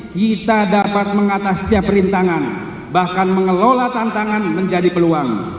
kita dapat mengatas tiap rintangan bahkan mengelola tantangan menjadi peluang